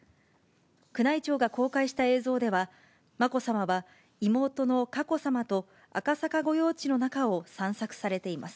宮内庁が公開した映像では、まこさまは妹の佳子さまと、赤坂御用地の中を散策されています。